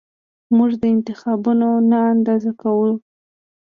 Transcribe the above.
موږ دا انتخابونه نه اندازه کوو